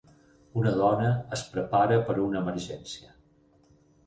Una dona es prepara per a una emergència.